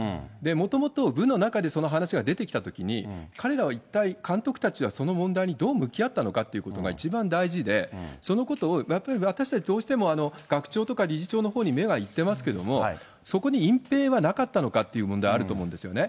もともと部の中でその話が出てきたときに、彼らは一体、監督たちはその問題にどう向き合ったのかということが一番大事で、そのことをやっぱり私たち、どうしても学長とか理事長のほうに目が行っていますけれども、そこに隠ぺいはなかったのかっていう問題あると思うんですよね。